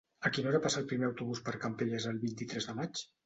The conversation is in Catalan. A quina hora passa el primer autobús per Campelles el vint-i-tres de maig?